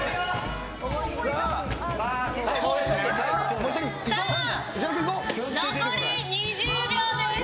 さあ残り２０秒です。